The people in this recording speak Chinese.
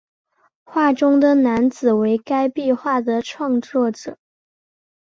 画中的男子为该壁画的创作者。